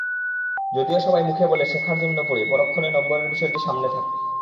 যদিও সবাই মুখে বলে শেখার জন্য পড়ি, পরক্ষণে নম্বরের বিষয়টি সামনে থাকে।